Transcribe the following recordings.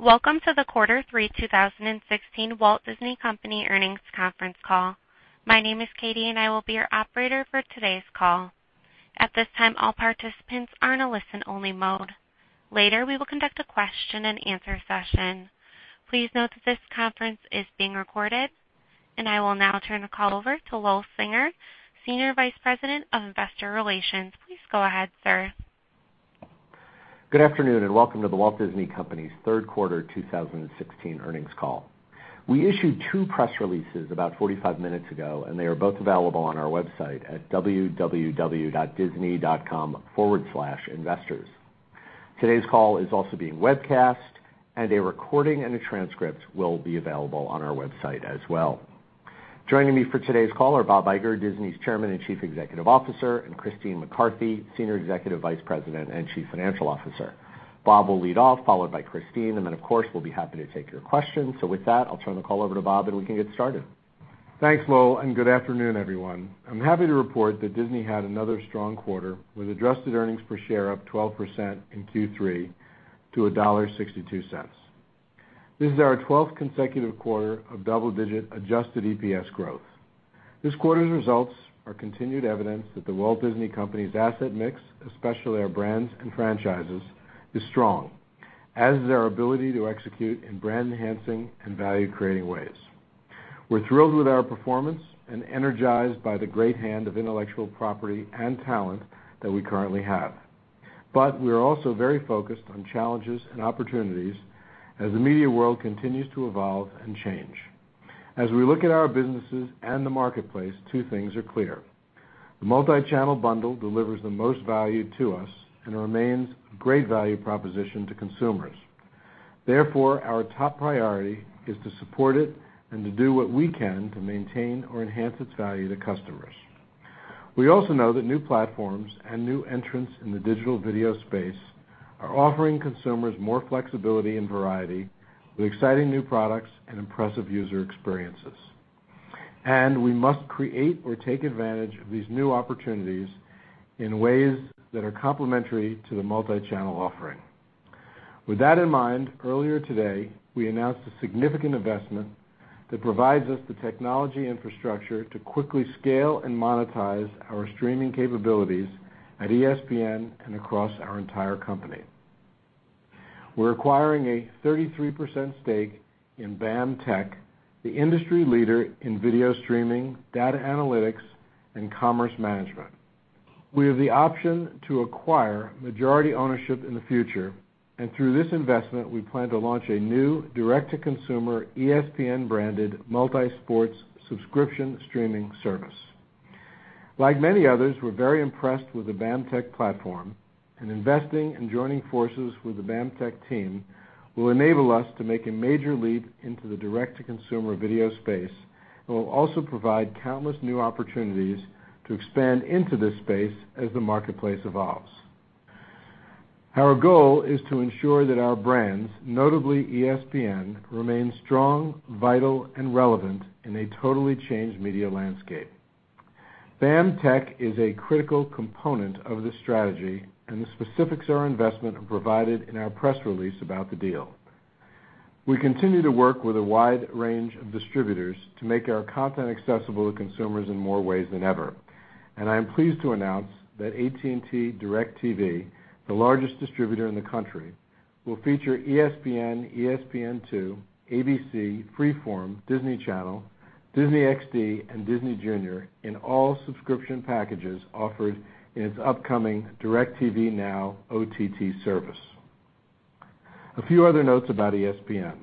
Welcome to the Q3 2016 The Walt Disney Company Earnings Conference Call. My name is Katie and I will be your operator for today's call. At this time, all participants are in a listen-only mode. Later, we will conduct a question and answer session. Please note that this conference is being recorded. I will now turn the call over to Lowell Singer, Senior Vice President of Investor Relations. Please go ahead, sir. Good afternoon and welcome to The Walt Disney Company's third quarter 2016 earnings call. We issued two press releases about 45 minutes ago, and they are both available on our website at www.disney.com/investors. Today's call is also being webcast, and a recording and a transcript will be available on our website as well. Joining me for today's call are Bob Iger, Disney's Chairman and Chief Executive Officer, and Christine McCarthy, Senior Executive Vice President and Chief Financial Officer. Bob will lead off, followed by Christine, then of course, we'll be happy to take your questions. With that, I'll turn the call over to Bob and we can get started. Thanks, Lowell, good afternoon, everyone. I'm happy to report that Disney had another strong quarter with adjusted earnings per share up 12% in Q3 to $1.62. This is our 12th consecutive quarter of double-digit adjusted EPS growth. This quarter's results are continued evidence that The Walt Disney Company's asset mix, especially our brands and franchises, is strong, as is our ability to execute in brand-enhancing and value-creating ways. We're thrilled with our performance and energized by the great hand of intellectual property and talent that we currently have. We are also very focused on challenges and opportunities as the media world continues to evolve and change. As we look at our businesses and the marketplace, two things are clear. The multi-channel bundle delivers the most value to us and remains a great value proposition to consumers. Therefore, our top priority is to support it and to do what we can to maintain or enhance its value to customers. We also know that new platforms and new entrants in the digital video space are offering consumers more flexibility and variety with exciting new products and impressive user experiences. We must create or take advantage of these new opportunities in ways that are complementary to the multi-channel offering. With that in mind, earlier today, we announced a significant investment that provides us the technology infrastructure to quickly scale and monetize our streaming capabilities at ESPN and across our entire company. We're acquiring a 33% stake in BAMTech, the industry leader in video streaming, data analytics, and commerce management. We have the option to acquire majority ownership in the future. Through this investment, we plan to launch a new direct-to-consumer, ESPN-branded, multi-sports subscription streaming service. Like many others, we're very impressed with the BAMTech platform. Investing and joining forces with the BAMTech team will enable us to make a major leap into the direct-to-consumer video space and will also provide countless new opportunities to expand into this space as the marketplace evolves. Our goal is to ensure that our brands, notably ESPN, remain strong, vital, and relevant in a totally changed media landscape. BAMTech is a critical component of this strategy, and the specifics of our investment are provided in our press release about the deal. We continue to work with a wide range of distributors to make our content accessible to consumers in more ways than ever. I am pleased to announce that AT&T DIRECTV, the largest distributor in the country, will feature ESPN, ESPN2, ABC, Freeform, Disney Channel, Disney XD, and Disney Junior in all subscription packages offered in its upcoming DIRECTV NOW OTT service. A few other notes about ESPN.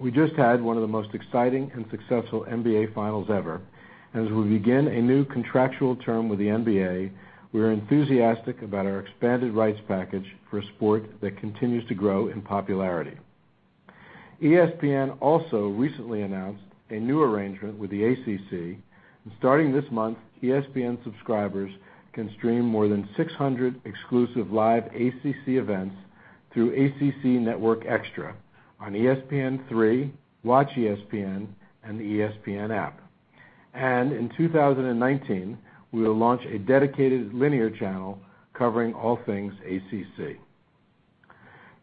We just had one of the most exciting and successful NBA Finals ever. As we begin a new contractual term with the NBA, we are enthusiastic about our expanded rights package for a sport that continues to grow in popularity. ESPN also recently announced a new arrangement with the ACC. Starting this month, ESPN subscribers can stream more than 600 exclusive live ACC events through ACC Network Extra on ESPN3, WatchESPN, and the ESPN app. In 2019, we will launch a dedicated linear channel covering all things ACC.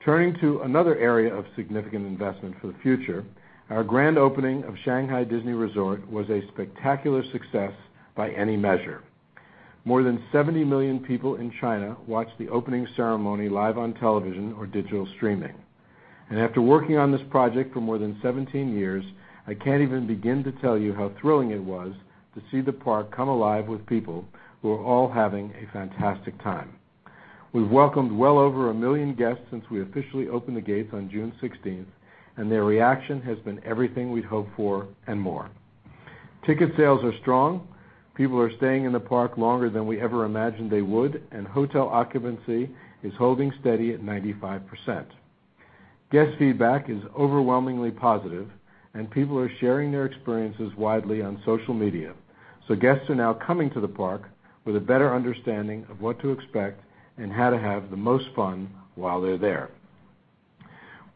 Turning to another area of significant investment for the future, our grand opening of Shanghai Disney Resort was a spectacular success by any measure. More than 70 million people in China watched the opening ceremony live on television or digital streaming. After working on this project for more than 17 years, I can't even begin to tell you how thrilling it was to see the park come alive with people who are all having a fantastic time. We've welcomed well over a million guests since we officially opened the gates on June 16th, and their reaction has been everything we'd hoped for and more. Ticket sales are strong. People are staying in the park longer than we ever imagined they would, and hotel occupancy is holding steady at 95%. Guest feedback is overwhelmingly positive. People are sharing their experiences widely on social media, so guests are now coming to the park with a better understanding of what to expect and how to have the most fun while they're there.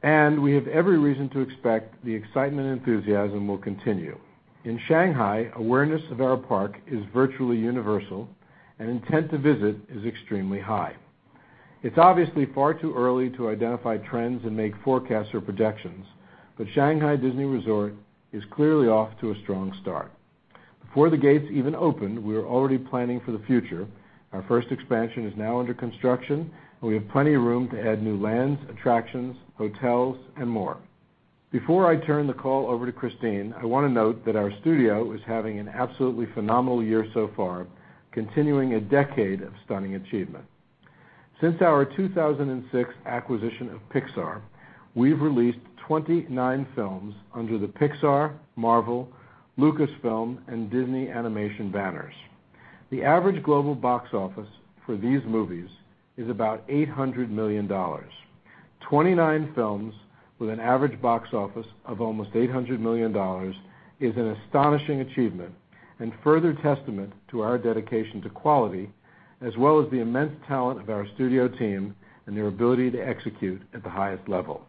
We have every reason to expect the excitement and enthusiasm will continue. In Shanghai, awareness of our park is virtually universal. Intent to visit is extremely high. It's obviously far too early to identify trends and make forecasts or projections, but Shanghai Disney Resort is clearly off to a strong start. Before the gates even opened, we were already planning for the future. Our first expansion is now under construction, and we have plenty of room to add new lands, attractions, hotels, and more. Before I turn the call over to Christine, I want to note that our studio is having an absolutely phenomenal year so far, continuing a decade of stunning achievement. Since our 2006 acquisition of Pixar, we've released 29 films under the Pixar, Marvel, Lucasfilm, and Disney Animation banners. The average global box office for these movies is about $800 million. 29 films with an average box office of almost $800 million is an astonishing achievement and further testament to our dedication to quality, as well as the immense talent of our studio team and their ability to execute at the highest level.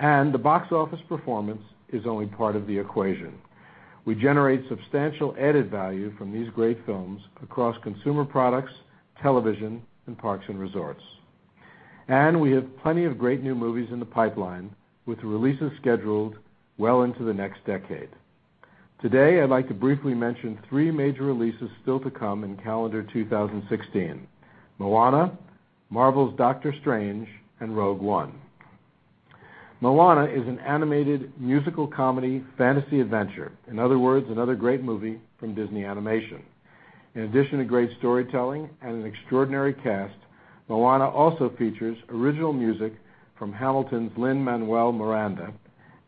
The box office performance is only part of the equation. We generate substantial added value from these great films across consumer products, television, and parks and resorts. We have plenty of great new movies in the pipeline, with releases scheduled well into the next decade. Today, I'd like to briefly mention three major releases still to come in calendar 2016: Moana, Marvel's Doctor Strange, and Rogue One. Moana is an animated musical comedy fantasy adventure, in other words, another great movie from Disney Animation. In addition to great storytelling and an extraordinary cast, Moana also features original music from Hamilton's Lin-Manuel Miranda,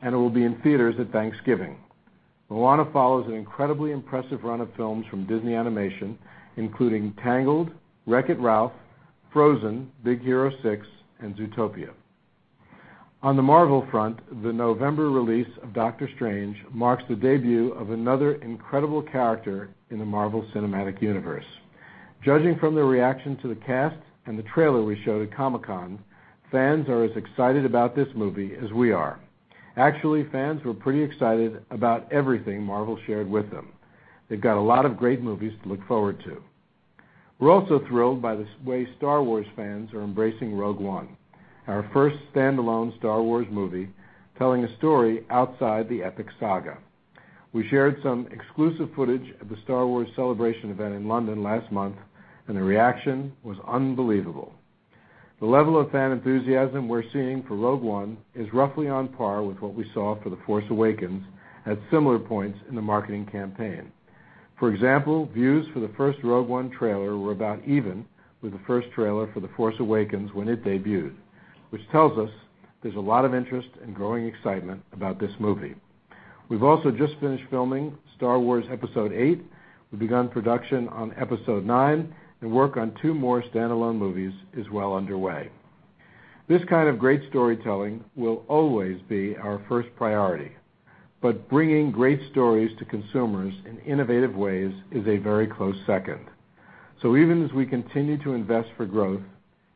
and it will be in theaters at Thanksgiving. Moana follows an incredibly impressive run of films from Disney Animation, including Tangled, Wreck-It Ralph, Frozen, Big Hero 6, and Zootopia. On the Marvel front, the November release of Doctor Strange marks the debut of another incredible character in the Marvel Cinematic Universe. Judging from the reaction to the cast and the trailer we showed at Comic-Con, fans are as excited about this movie as we are. Actually, fans were pretty excited about everything Marvel shared with them. They've got a lot of great movies to look forward to. We're also thrilled by the way Star Wars fans are embracing Rogue One, our first standalone Star Wars movie, telling a story outside the epic saga. We shared some exclusive footage at the Star Wars celebration event in London last month, the reaction was unbelievable. The level of fan enthusiasm we're seeing for Rogue One is roughly on par with what we saw for The Force Awakens at similar points in the marketing campaign. For example, views for the first Rogue One trailer were about even with the first trailer for The Force Awakens when it debuted, which tells us there's a lot of interest and growing excitement about this movie. We've also just finished filming Star Wars: Episode VIII, we've begun production on Episode IX, and work on two more standalone movies is well underway. This kind of great storytelling will always be our first priority, but bringing great stories to consumers in innovative ways is a very close second. Even as we continue to invest for growth,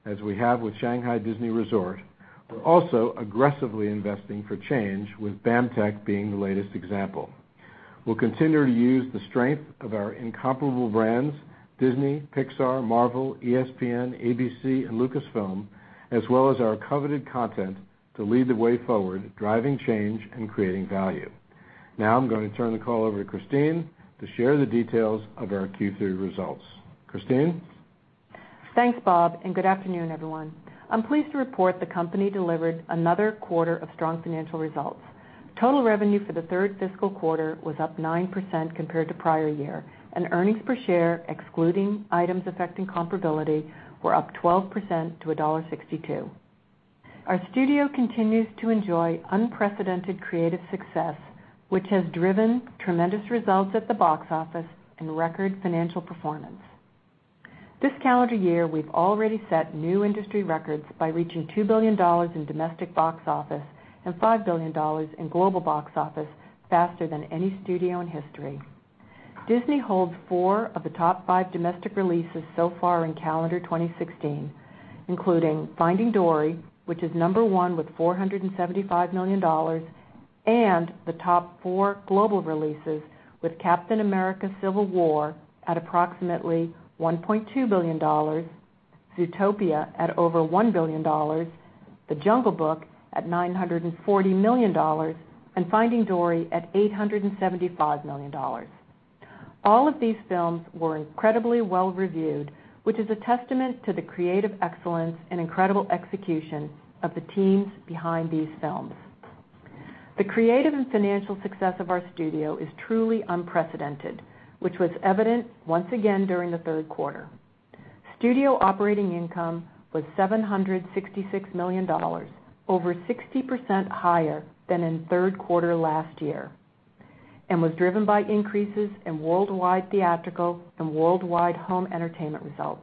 as we have with Shanghai Disney Resort, we're also aggressively investing for change, with BAMTech being the latest example. We'll continue to use the strength of our incomparable brands, Disney, Pixar, Marvel, ESPN, ABC, and Lucasfilm, as well as our coveted content to lead the way forward, driving change and creating value. Now I'm going to turn the call over to Christine to share the details of our Q3 results. Christine? Thanks, Bob, and good afternoon, everyone. I'm pleased to report the company delivered another quarter of strong financial results. Total revenue for the third fiscal quarter was up 9% compared to prior year, and earnings per share, excluding items affecting comparability, were up 12% to $1.62. Our studio continues to enjoy unprecedented creative success, which has driven tremendous results at the box office and record financial performance. This calendar year, we've already set new industry records by reaching $2 billion in domestic box office and $5 billion in global box office faster than any studio in history. Disney holds four of the top five domestic releases so far in calendar 2016, including Finding Dory, which is number one with $475 million, and the top four global releases with Captain America: Civil War at approximately $1.2 billion, Zootopia at over $1 billion, The Jungle Book at $940 million, and Finding Dory at $875 million. All of these films were incredibly well-reviewed, which is a testament to the creative excellence and incredible execution of the teams behind these films. The creative and financial success of our studio is truly unprecedented, which was evident once again during the third quarter. Studio operating income was $766 million, over 60% higher than in third quarter last year, and was driven by increases in worldwide theatrical and worldwide home entertainment results.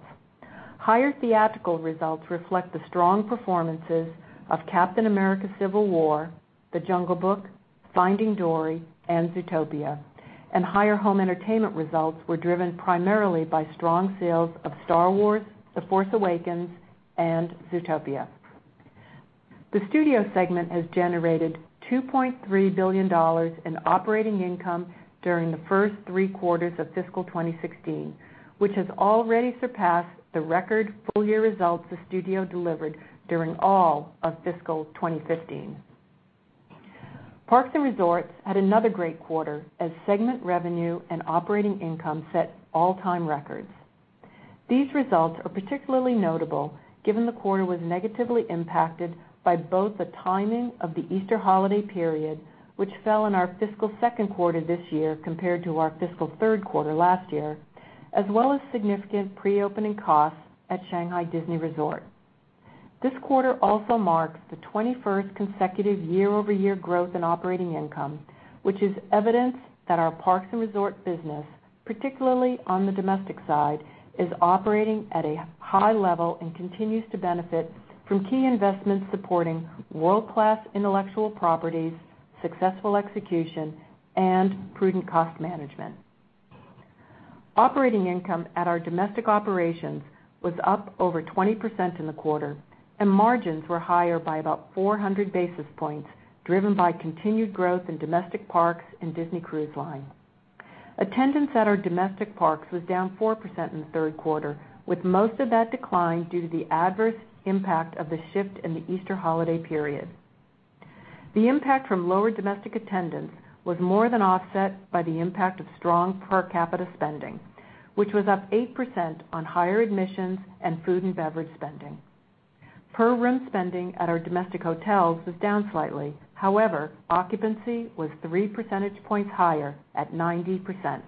Higher theatrical results reflect the strong performances of Captain America: Civil War, The Jungle Book, Finding Dory, and Zootopia. Higher home entertainment results were driven primarily by strong sales of Star Wars: The Force Awakens and Zootopia. The Studio segment has generated $2.3 billion in operating income during the first three quarters of fiscal 2016, which has already surpassed the record full-year results the Studio delivered during all of fiscal 2015. Parks and Resorts had another great quarter as segment revenue and operating income set all-time records. These results are particularly notable given the quarter was negatively impacted by both the timing of the Easter holiday period, which fell in our fiscal second quarter this year compared to our fiscal third quarter last year, as well as significant pre-opening costs at Shanghai Disney Resort. This quarter also marks the 21st consecutive year-over-year growth in operating income, which is evidence that our parks and resort business, particularly on the domestic side, is operating at a high level and continues to benefit from key investments supporting world-class intellectual properties, successful execution, and prudent cost management. Operating income at our domestic operations was up over 20% in the quarter, and margins were higher by about 400 basis points, driven by continued growth in domestic parks and Disney Cruise Line. Attendance at our domestic parks was down 4% in the third quarter, with most of that decline due to the adverse impact of the shift in the Easter holiday period. The impact from lower domestic attendance was more than offset by the impact of strong per capita spending, which was up 8% on higher admissions and food and beverage spending. Per room spending at our domestic hotels was down slightly. However, occupancy was three percentage points higher at 90%.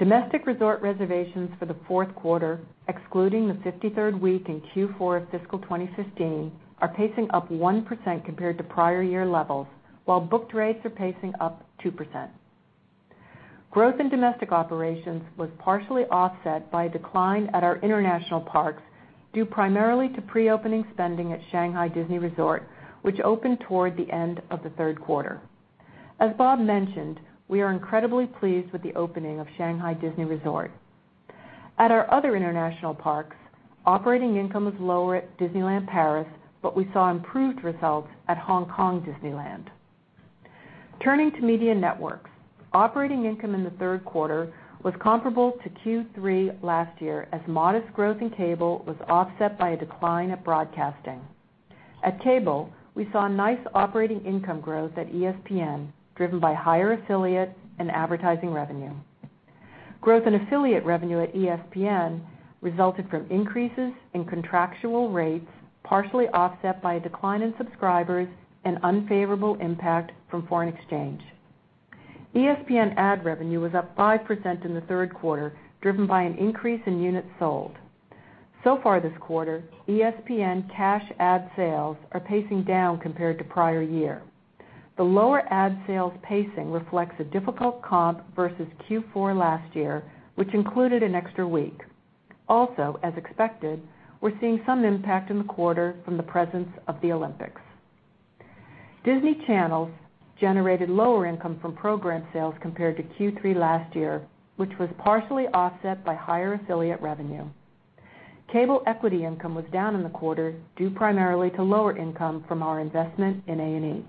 Domestic resort reservations for the fourth quarter, excluding the 53rd week in Q4 of fiscal 2015, are pacing up 1% compared to prior year levels, while booked rates are pacing up 2%. Growth in domestic operations was partially offset by a decline at our international parks due primarily to pre-opening spending at Shanghai Disney Resort, which opened toward the end of the third quarter. As Bob mentioned, we are incredibly pleased with the opening of Shanghai Disney Resort. At our other international parks, operating income was lower at Disneyland Paris, but we saw improved results at Hong Kong Disneyland. Turning to Media Networks, operating income in the third quarter was comparable to Q3 last year as modest growth in cable was offset by a decline at broadcasting. At cable, we saw nice operating income growth at ESPN, driven by higher affiliate and advertising revenue. Growth in affiliate revenue at ESPN resulted from increases in contractual rates, partially offset by a decline in subscribers and unfavorable impact from foreign exchange. ESPN ad revenue was up 5% in the third quarter, driven by an increase in units sold. Far this quarter, ESPN cash ad sales are pacing down compared to prior year. The lower ad sales pacing reflects a difficult comp versus Q4 last year, which included an extra week. Also, as expected, we're seeing some impact in the quarter from the presence of the Olympics. Disney Channels generated lower income from program sales compared to Q3 last year, which was partially offset by higher affiliate revenue. Cable equity income was down in the quarter due primarily to lower income from our investment in A&E.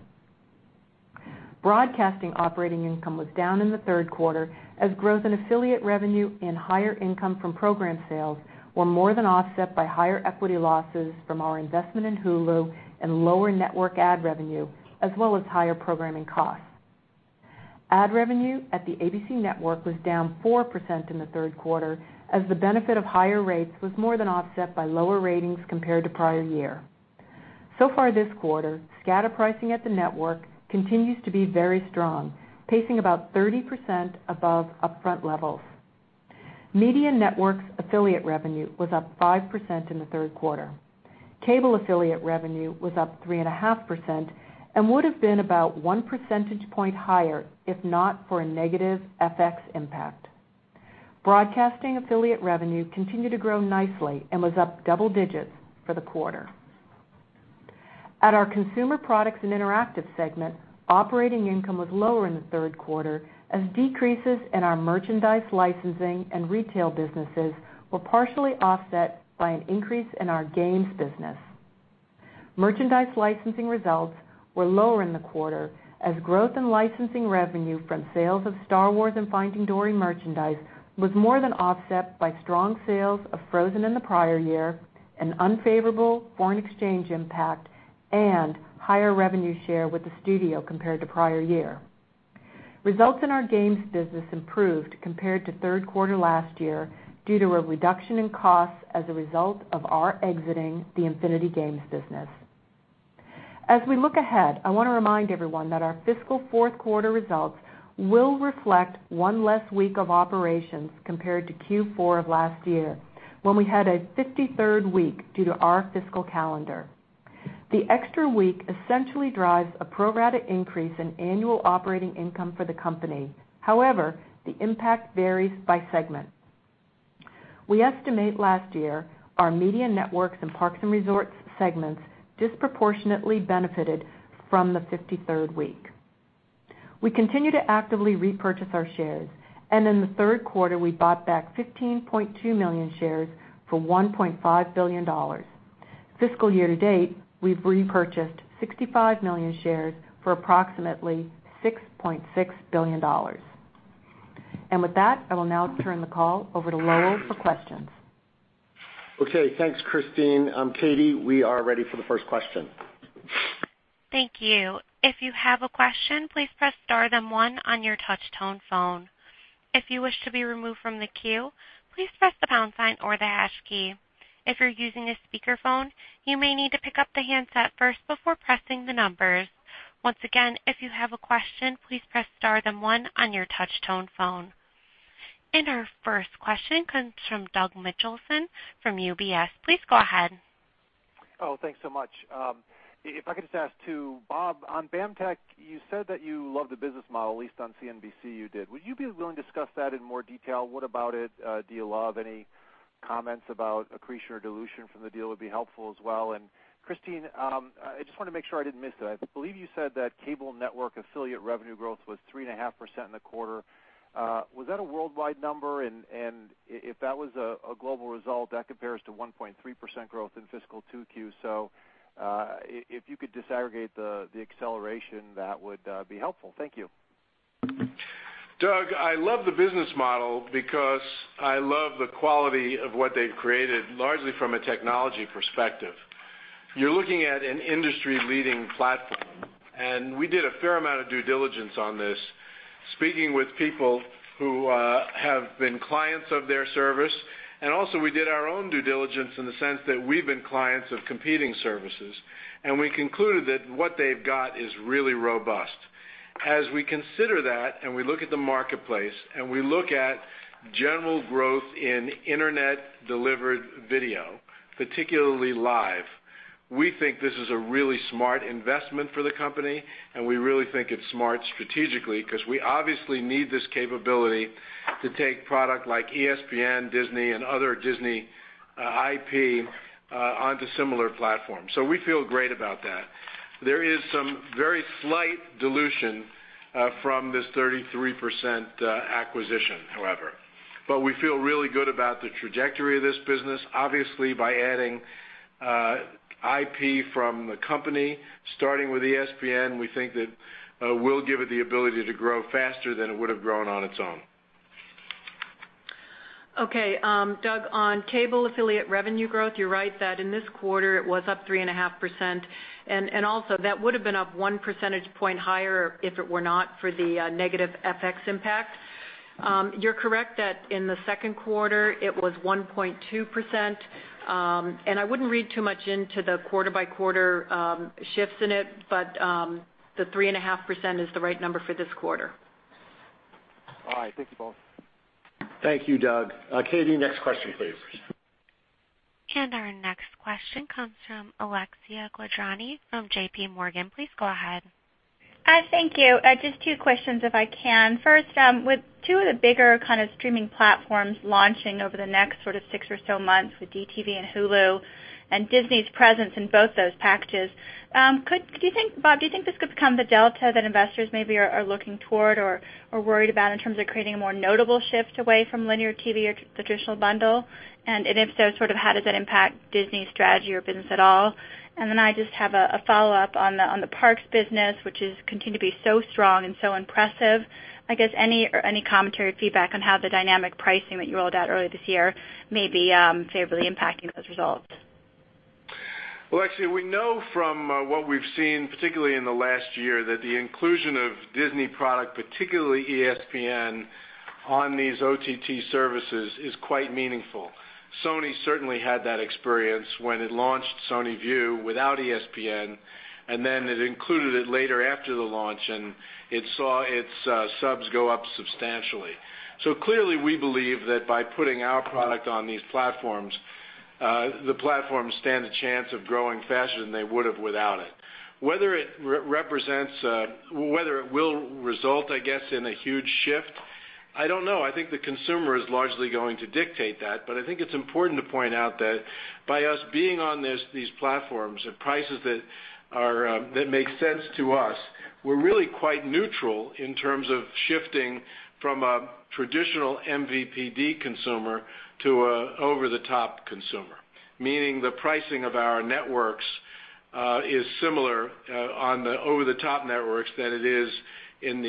Broadcasting operating income was down in the third quarter as growth in affiliate revenue and higher income from program sales were more than offset by higher equity losses from our investment in Hulu and lower network ad revenue, as well as higher programming costs. Ad revenue at the ABC Network was down 4% in the third quarter as the benefit of higher rates was more than offset by lower ratings compared to prior year. Far this quarter, scatter pricing at the network continues to be very strong, pacing about 30% above upfront levels. Media Networks affiliate revenue was up 5% in the third quarter. Cable affiliate revenue was up 3.5% and would have been about one percentage point higher if not for a negative FX impact. Broadcasting affiliate revenue continued to grow nicely and was up double digits for the quarter. At our Consumer Products and Interactive segment, operating income was lower in the third quarter as decreases in our merchandise licensing and retail businesses were partially offset by an increase in our games business. Merchandise licensing results were lower in the quarter as growth in licensing revenue from sales of Star Wars and Finding Dory merchandise was more than offset by strong sales of Frozen in the prior year, an unfavorable foreign exchange impact, and higher revenue share with the Studio compared to prior year. Results in our games business improved compared to third quarter last year due to a reduction in costs as a result of our exiting the Infinity games business. As we look ahead, I want to remind everyone that our fiscal fourth quarter results will reflect one less week of operations compared to Q4 of last year, when we had a 53rd week due to our fiscal calendar. The extra week essentially drives a pro rata increase in annual operating income for the company. However, the impact varies by segment. We estimate last year our Media Networks and Parks and Resorts segments disproportionately benefited from the 53rd week. We continue to actively repurchase our shares, and in the third quarter, we bought back 15.2 million shares for $1.5 billion. Fiscal year to date, we've repurchased 65 million shares for approximately $6.6 billion. With that, I will now turn the call over to Lowell for questions. Okay. Thanks, Christine. Katie, we are ready for the first question. Thank you. If you have a question, please press star then one on your touch tone phone. If you wish to be removed from the queue, please press the pound sign or the hash key. If you're using a speakerphone, you may need to pick up the handset first before pressing the numbers. Once again, if you have a question, please press star then one on your touch tone phone. Our first question comes from Doug Mitchelson from UBS. Please go ahead. Oh, thanks so much. If I could just ask to Bob, on BAMTech, you said that you love the business model, at least on CNBC you did. Would you be willing to discuss that in more detail? What about it do you love? Any comments about accretion or dilution from the deal would be helpful as well. Christine, I just want to make sure I didn't miss it. I believe you said that cable network affiliate revenue growth was 3.5% in the quarter. Was that a worldwide number? If that was a global result, that compares to 1.3% growth in fiscal 2Q. If you could disaggregate the acceleration, that would be helpful. Thank you. Doug, I love the business model because I love the quality of what they've created, largely from a technology perspective. You're looking at an industry-leading platform, we did a fair amount of due diligence on this, speaking with people who have been clients of their service. We did our own due diligence in the sense that we've been clients of competing services, we concluded that what they've got is really robust. As we consider that, we look at the marketplace, we look at general growth in internet-delivered video, particularly live, we think this is a really smart investment for the company, we really think it's smart strategically because we obviously need this capability to take product like ESPN, Disney, and other Disney IP onto similar platforms. We feel great about that. There is some very slight dilution from this 33% acquisition, however. We feel really good about the trajectory of this business. Obviously, by adding IP from the company, starting with ESPN, we think that will give it the ability to grow faster than it would have grown on its own. Okay, Doug, on cable affiliate revenue growth, you're right that in this quarter it was up 3.5%, that would have been up one percentage point higher if it were not for the negative FX impact. You're correct that in the second quarter it was 1.2%, I wouldn't read too much into the quarter-by-quarter shifts in it, the 3.5% is the right number for this quarter. All right. Thank you both. Thank you, Doug. Katie, next question, please. Our next question comes from Alexia Quadrani from J.P. Morgan. Please go ahead. Thank you. Just two questions if I can. First, with two of the bigger streaming platforms launching over the next six or so months with DTV and Hulu and Disney's presence in both those packages, Bob, do you think this could become the delta that investors maybe are looking toward or are worried about in terms of creating a more notable shift away from linear TV or traditional bundle? If so, how does that impact Disney's strategy or business at all? I just have a follow-up on the parks business, which has continued to be so strong and so impressive. I guess, any commentary or feedback on how the dynamic pricing that you rolled out earlier this year may be favorably impacting those results? Alexia, we know from what we've seen, particularly in the last year, that the inclusion of Disney product, particularly ESPN, on these OTT services is quite meaningful. Sony certainly had that experience when it launched PlayStation Vue without ESPN, it included it later after the launch, and it saw its subs go up substantially. Clearly, we believe that by putting our product on these platforms, the platforms stand a chance of growing faster than they would have without it. Whether it will result in a huge shift, I don't know. I think the consumer is largely going to dictate that. I think it's important to point out that by us being on these platforms at prices that make sense to us, we're really quite neutral in terms of shifting from a traditional MVPD consumer to an over-the-top consumer, meaning the pricing of our networks is similar on the over-the-top networks than it is on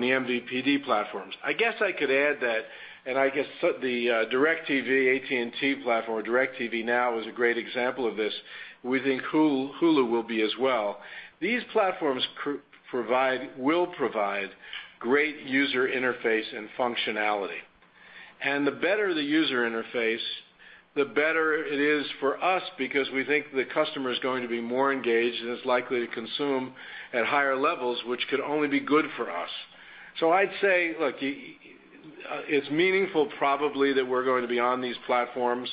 the MVPD platforms. I guess I could add that, and I guess the AT&T DIRECTV platform or DiIRECTV NOW is a great example of this. We think Hulu will be as well. These platforms will provide great user interface and functionality. The better the user interface, the better it is for us because we think the customer is going to be more engaged and is likely to consume at higher levels, which could only be good for us. I'd say, look, it's meaningful probably that we're going to be on these platforms.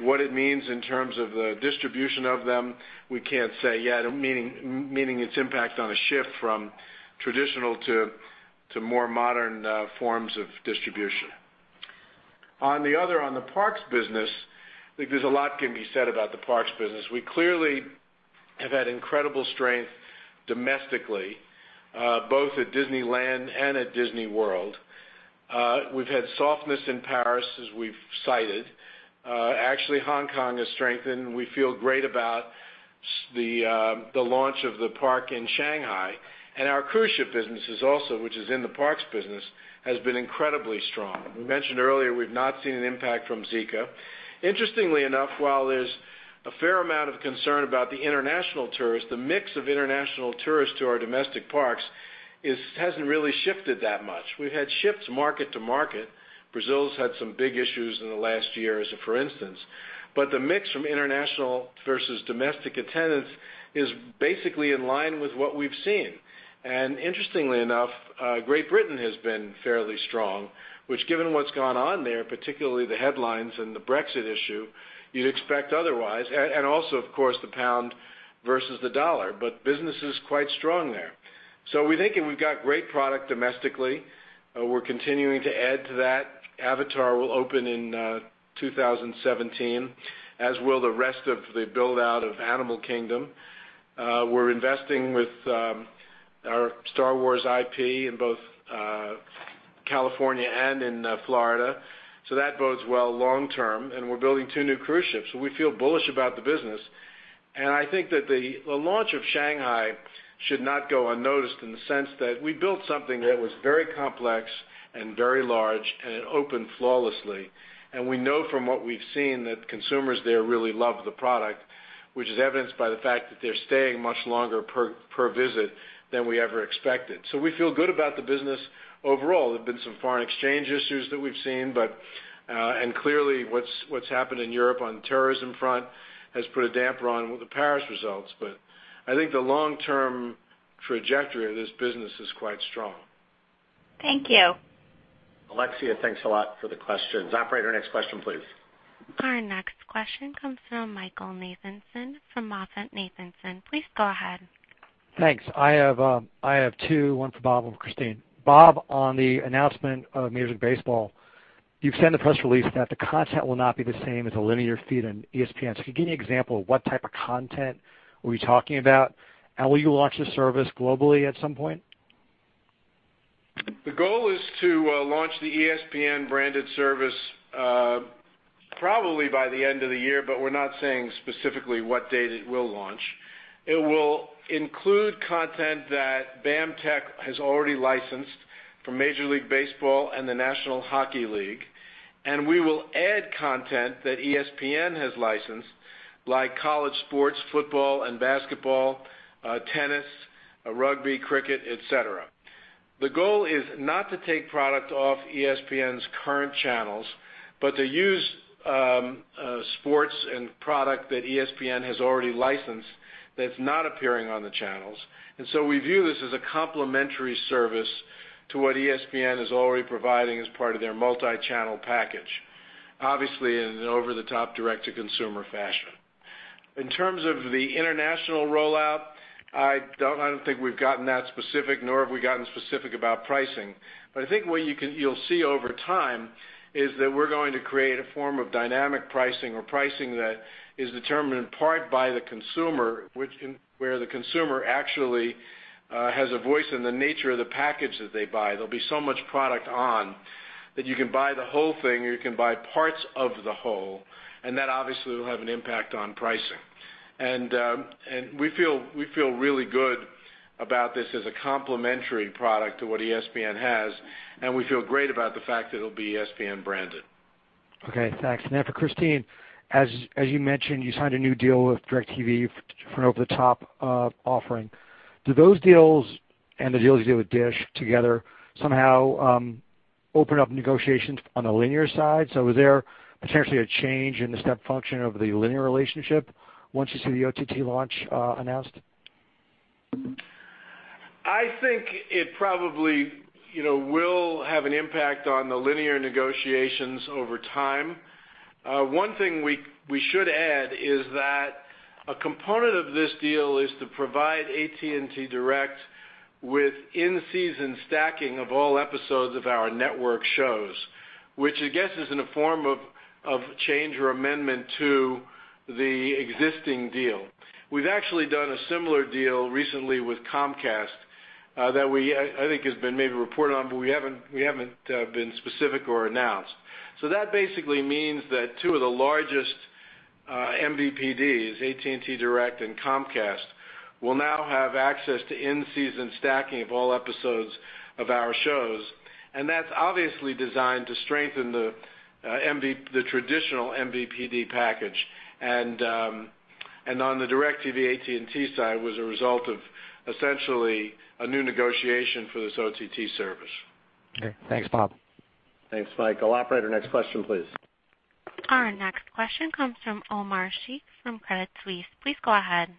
What it means in terms of the distribution of them, we can't say yet, meaning its impact on a shift from traditional to more modern forms of distribution. On the other, on the parks business, I think there's a lot can be said about the parks business. We clearly have had incredible strength domestically, both at Disneyland and at Disney World. We've had softness in Paris, as we've cited. Actually, Hong Kong has strengthened. We feel great about the launch of the park in Shanghai. Our cruise ship business is also, which is in the parks business, has been incredibly strong. We mentioned earlier we've not seen an impact from Zika. Interestingly enough, while there's a fair amount of concern about the international tourist, the mix of international tourists to our domestic parks hasn't really shifted that much. We've had shifts market to market. Brazil's had some big issues in the last year as a for instance. The mix from international versus domestic attendance is basically in line with what we've seen. Interestingly enough, Great Britain has been fairly strong, which given what's gone on there, particularly the headlines and the Brexit issue, you'd expect otherwise. Also, of course, the pound versus the dollar. Business is quite strong there. We're thinking we've got great product domestically. We're continuing to add to that. Avatar will open in 2017, as will the rest of the build-out of Animal Kingdom. We're investing with our Star Wars IP in both California and in Florida. That bodes well long term, and we're building two new cruise ships, so we feel bullish about the business. I think that the launch of Shanghai should not go unnoticed in the sense that we built something that was very complex and very large, and it opened flawlessly. We know from what we've seen that consumers there really love the product, which is evidenced by the fact that they're staying much longer per visit than we ever expected. We feel good about the business overall. There've been some foreign exchange issues that we've seen, and clearly what's happened in Europe on the terrorism front has put a damper on the Paris results. I think the long-term trajectory of this business is quite strong. Thank you. Alexia Quadrani, thanks a lot for the questions. Operator, next question, please. Our next question comes from Michael Nathanson from MoffettNathanson. Please go ahead. Thanks. I have two, one for Bob and Christine. Bob, on the announcement of Major League Baseball, you've sent a press release that the content will not be the same as a linear feed on ESPN. Can you give me an example of what type of content are we talking about? Will you launch the service globally at some point? The goal is to launch the ESPN branded service, probably by the end of the year, but we're not saying specifically what date it will launch. It will include content that BAMTech has already licensed from Major League Baseball and the National Hockey League, and we will add content that ESPN has licensed, like college sports, football and basketball, tennis, rugby, cricket, et cetera. The goal is not to take product off ESPN's current channels, but to use sports and product that ESPN has already licensed that's not appearing on the channels. We view this as a complementary service to what ESPN is already providing as part of their multi-channel package, obviously in an over-the-top direct-to-consumer fashion. In terms of the international rollout, I don't think we've gotten that specific, nor have we gotten specific about pricing. I think what you'll see over time is that we're going to create a form of dynamic pricing or pricing that is determined in part by the consumer, where the consumer actually has a voice in the nature of the package that they buy. There'll be so much product on that you can buy the whole thing or you can buy parts of the whole, and that obviously will have an impact on pricing. We feel really good about this as a complementary product to what ESPN has, and we feel great about the fact that it'll be ESPN branded. Okay, thanks. Then for Christine, as you mentioned, you signed a new deal with DIRECTV for an over-the-top offering. Do those deals and the deals you do with Dish together somehow open up negotiations on the linear side? Is there potentially a change in the step function of the linear relationship once you see the OTT launch announced? I think it probably will have an impact on the linear negotiations over time. One thing we should add is that a component of this deal is to provide AT&T DIRECTV with in-season stacking of all episodes of our network shows, which I guess is in a form of change or amendment to the existing deal. We've actually done a similar deal recently with Comcast that I think has been maybe reported on, but we haven't been specific or announced. That basically means that two of the largest MVPDs, AT&T DIRECTV and Comcast, will now have access to in-season stacking of all episodes of our shows, and that's obviously designed to strengthen the traditional MVPD package. On the DIRECTV AT&T side, was a result of essentially a new negotiation for this OTT service. Okay. Thanks, Bob. Thanks, Michael. Operator, next question, please. Our next question comes from Omar Sheikh from Credit Suisse. Please go ahead.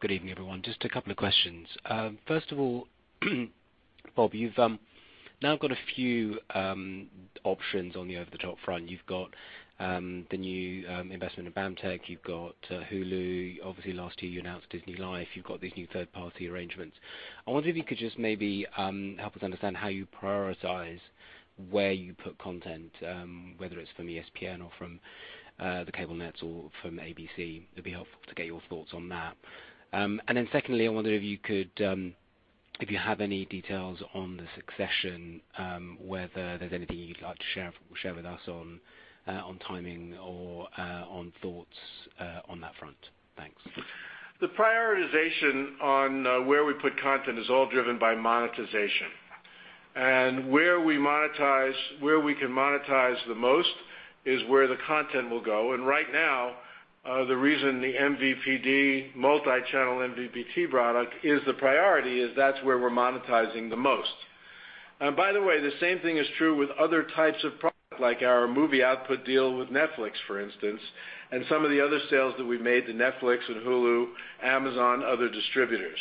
Good evening, everyone. Just a couple of questions. First of all, Bob, you've now got a few options on the over-the-top front. You've got the new investment in BAMTech. You've got Hulu. Obviously, last year you announced DisneyLife. You've got these new third-party arrangements. I wonder if you could just maybe help us understand how you prioritize where you put content, whether it's from ESPN or from the cable nets or from ABC. It'd be helpful to get your thoughts on that. Secondly, I wonder if you have any details on the succession, whether there's anything you'd like to share with us on timing or on thoughts on that front. Thanks. The prioritization on where we put content is all driven by monetization. Where we can monetize the most is where the content will go. Right now, the reason the MVPD multi-channel MVPD product is the priority is that's where we're monetizing the most. By the way, the same thing is true with other types of products, like our movie output deal with Netflix, for instance, and some of the other sales that we've made to Netflix and Hulu, Amazon, other distributors.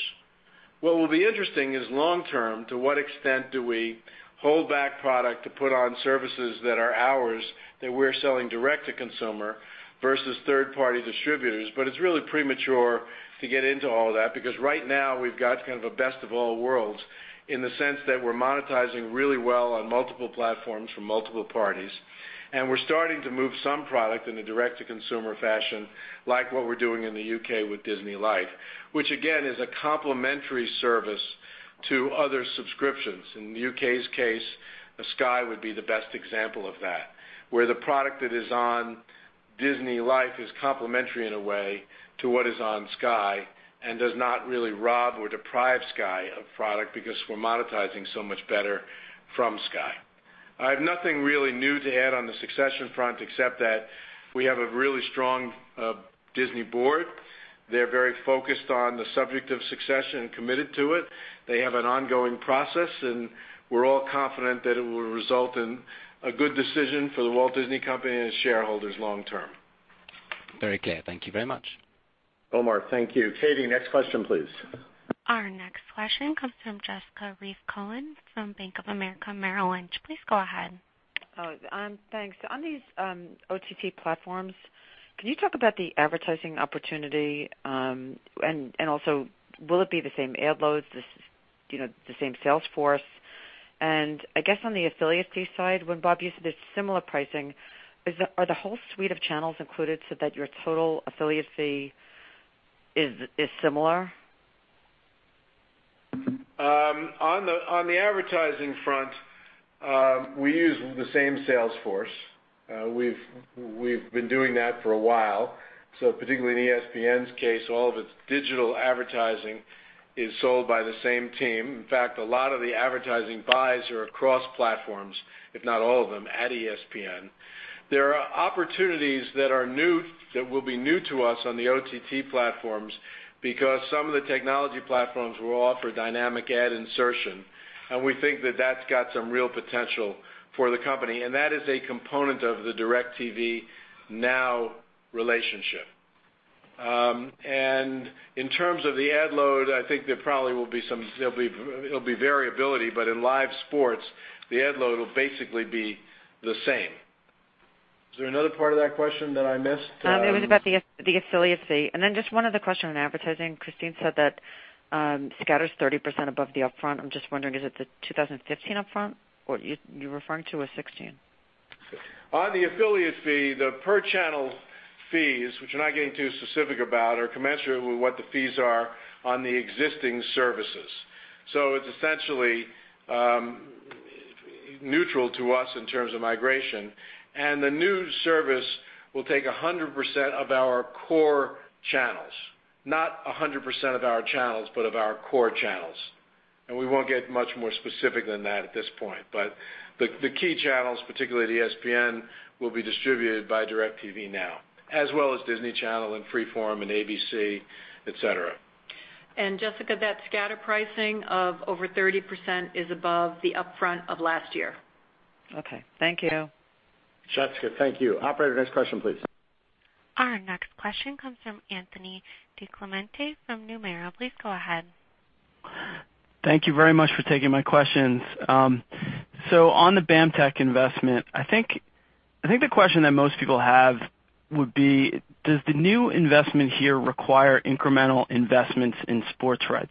What will be interesting is long term, to what extent do we hold back product to put on services that are ours, that we're selling direct to consumer versus third-party distributors. It's really premature to get into all of that, because right now we've got a best of all worlds in the sense that we're monetizing really well on multiple platforms from multiple parties, and we're starting to move some product in a direct-to-consumer fashion, like what we're doing in the U.K. with DisneyLife, which again, is a complementary service to other subscriptions. In the U.K.'s case, Sky would be the best example of that, where the product that is on DisneyLife is complementary in a way to what is on Sky and does not really rob or deprive Sky of product because we're monetizing so much better from Sky. I have nothing really new to add on the succession front except that we have a really strong Disney board. They're very focused on the subject of succession and committed to it. They have an ongoing process, and we're all confident that it will result in a good decision for The Walt Disney Company and its shareholders long term. Very clear. Thank you very much. Omar, thank you. Katie, next question, please. Our next question comes from Jessica Reif Cohen from Bank of America Merrill Lynch. Please go ahead. Thanks. On these OTT platforms, can you talk about the advertising opportunity? Will it be the same ad loads, the same sales force? I guess on the affiliate fee side, when Bob used this similar pricing, are the whole suite of channels included so that your total affiliate fee is similar? On the advertising front, we use the same sales force. We've been doing that for a while. Particularly in ESPN's case, all of its digital advertising is sold by the same team. In fact, a lot of the advertising buys are across platforms, if not all of them, at ESPN. There are opportunities that will be new to us on the OTT platforms because some of the technology platforms will offer dynamic ad insertion, we think that that's got some real potential for the company, that is a component of the DIRECTV NOW relationship. In terms of the ad load, I think there probably will be variability, but in live sports, the ad load will basically be the same. Is there another part of that question that I missed? It was about the affiliate fee. Just one other question on advertising. Christine said that scatter's 30% above the upfront. I'm just wondering, is it the 2015 upfront, or you're referring to a 2016? On the affiliate fee, the per-channel fees, which we're not getting too specific about, are commensurate with what the fees are on the existing services. It's essentially neutral to us in terms of migration, and the new service will take 100% of our core channels. Not 100% of our channels, but of our core channels. We won't get much more specific than that at this point. The key channels, particularly ESPN, will be distributed by DIRECTV NOW, as well as Disney Channel and Freeform and ABC, et cetera. Jessica, that scatter pricing of over 30% is above the upfront of last year. Okay. Thank you. Jessica, thank you. Operator, next question, please. Our next question comes from Anthony DiClemente from Nomura. Please go ahead. Thank you very much for taking my questions. On the BAMTech investment, I think the question that most people have would be, does the new investment here require incremental investments in sports rights?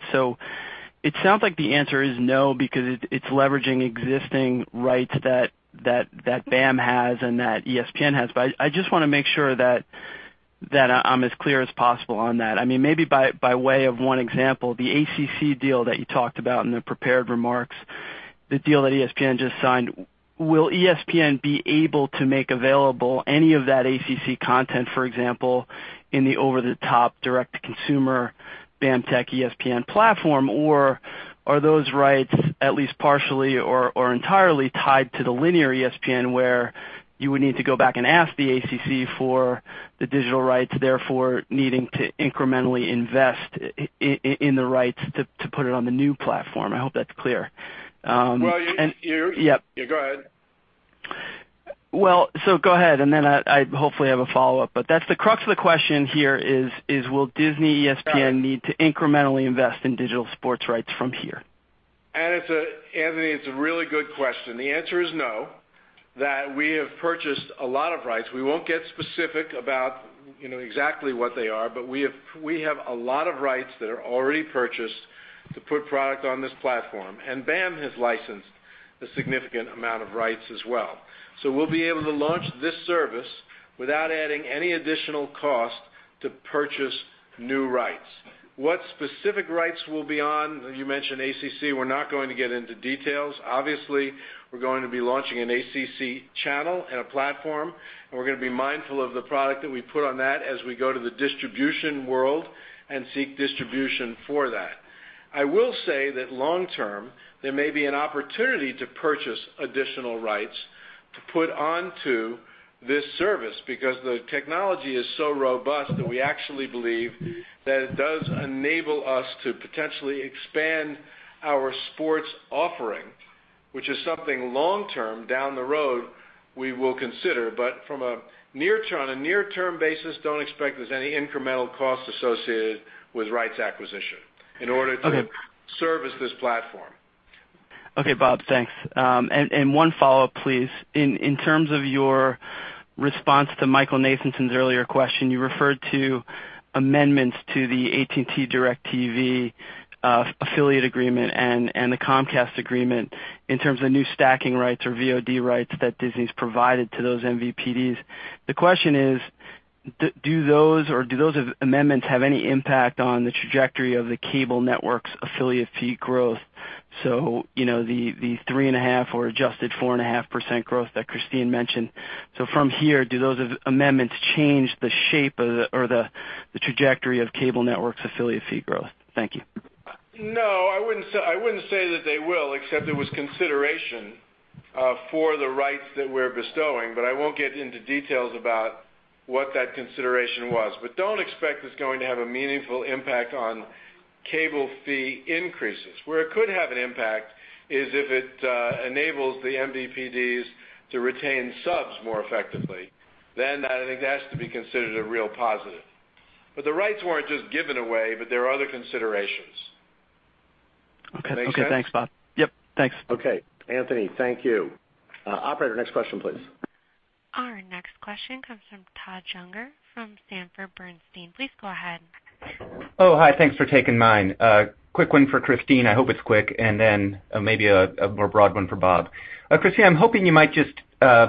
It sounds like the answer is no, because it's leveraging existing rights that BAM has and that ESPN has. I just want to make sure that I'm as clear as possible on that. Maybe by way of one example, the ACC deal that you talked about in the prepared remarks, the deal that ESPN just signed, will ESPN be able to make available any of that ACC content, for example, in the over-the-top direct-to-consumer BAMTech ESPN platform? Are those rights at least partially or entirely tied to the linear ESPN, where you would need to go back and ask the ACC for the digital rights, therefore needing to incrementally invest in the rights to put it on the new platform? I hope that's clear. Well, you. Yep. Yeah, go ahead. Well, go ahead, and then I hopefully have a follow-up, but that's the crux of the question here is will Disney ESPN need to incrementally invest in digital sports rights from here? Anthony, it's a really good question. The answer is no, that we have purchased a lot of rights. We won't get specific about exactly what they are, but we have a lot of rights that are already purchased to put product on this platform, and BAM has licensed a significant amount of rights as well. We'll be able to launch this service without adding any additional cost to purchase new rights. What specific rights will be on, you mentioned ACC, we're not going to get into details. Obviously, we're going to be launching an ACC channel and a platform, and we're going to be mindful of the product that we put on that as we go to the distribution world and seek distribution for that. I will say that long term, there may be an opportunity to purchase additional rights to put onto this service because the technology is so robust that we actually believe that it does enable us to potentially expand our sports offering, which is something long term, down the road, we will consider. On a near-term basis, don't expect there's any incremental cost associated with rights acquisition in order to service this platform. Okay, Bob. Thanks. One follow-up, please. In terms of your response to Michael Nathanson's earlier question, you referred to amendments to the AT&T DIRECTV affiliate agreement and the Comcast agreement in terms of new stacking rights or VOD rights that Disney's provided to those MVPDs. The question is, do those amendments have any impact on the trajectory of the cable network's affiliate fee growth, the 3.5% or adjusted 4.5% growth that Christine mentioned. From here, do those amendments change the shape or the trajectory of cable network's affiliate fee growth? Thank you. No, I wouldn't say that they will, except it was consideration for the rights that we're bestowing, but I won't get into details about what that consideration was. Don't expect it's going to have a meaningful impact on cable fee increases. Where it could have an impact is if it enables the MVPDs to retain subs more effectively. I think that's to be considered a real positive. The rights weren't just given away, but there are other considerations. Okay. Make sense? Okay. Thanks, Bob. Yep. Thanks. Okay. Anthony, thank you. Operator, next question, please. Our next question comes from Todd Juenger from Sanford Bernstein. Please go ahead. Hi. Thanks for taking mine. Quick one for Christine. I hope it's quick, and then maybe a more broad one for Bob. Christine, I'm hoping you might just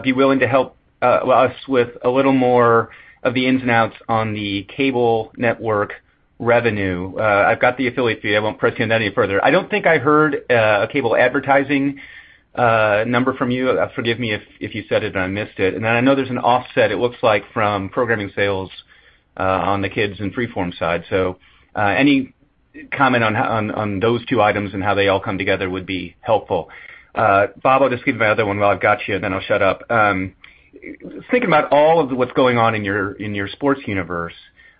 be willing to help us with a little more of the ins and outs on the cable network revenue. I've got the affiliate fee. I won't press you on that any further. I don't think I heard a cable advertising number from you. Forgive me if you said it and I missed it. I know there's an offset, it looks like, from programming sales on the kids and Freeform side. Any comment on those two items and how they all come together would be helpful. Bob, I'll just give you my other one while I've got you, then I'll shut up. Thinking about all of what's going on in your sports universe,